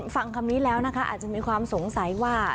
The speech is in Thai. ฟังคำนี้แล้วนะคะอาจจะมีความสงสัยว่า